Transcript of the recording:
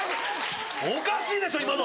おかしいでしょ今の。